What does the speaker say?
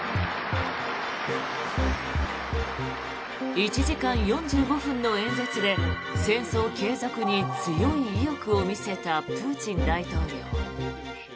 １時間４５分の演説で戦争継続に強い意欲を見せたプーチン大統領。